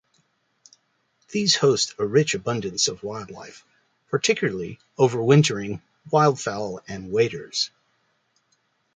These host a rich abundance of wildlife, particularly over-wintering wildfowl and waders.